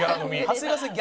長谷川さん